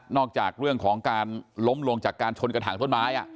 จากเรื่องของการล้มลงจากการชนกระถางต้นไม้